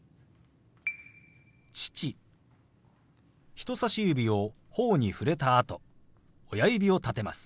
人さし指をほおに触れたあと親指を立てます。